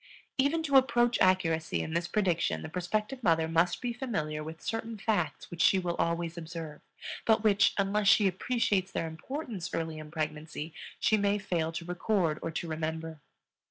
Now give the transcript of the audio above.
Even to approach accuracy in this prediction the prospective mother must be familiar with certain facts which she will always observe, but which, unless she appreciates their importance early in pregnancy, she may fail to record or to remember.